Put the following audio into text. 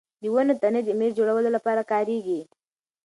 د ونو تنې د مېز جوړولو لپاره کارېږي.